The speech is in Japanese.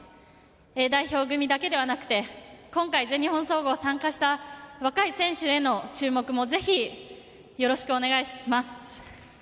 Ａ代表組だけではなくて今回、全日本総合参加した若い選手への注目もぜひ、よろしくお願いします。